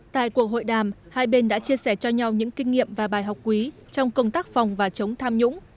tại cuộc hội đàm hai bên đã chia sẻ cho nhau những kinh nghiệm và bài học quý trong công tác phòng và chống tham nhũng